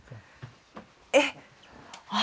えっ！